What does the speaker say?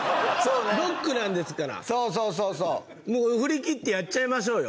ロックなんですからそうそうそうそうもう振り切ってやっちゃいましょうよ